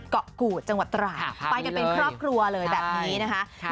เกาะกู๋จังหวัดตราบไลน์เลยเป็นครอบครัวเลยแบบนี้นะคะพาพนี้เลย